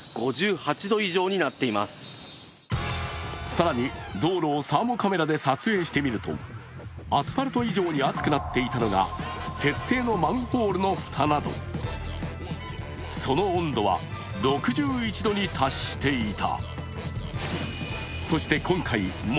更に道路をサーモカメラで撮影してみると、アスファルト以上に熱くなっていたのが鉄製のマンホールの蓋などその温度は６１度に達していた。